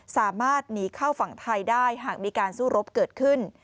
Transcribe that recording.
สามารถหนีเข้าฝั่งไทยได้หากมีการสู้รบเกิดขึ้น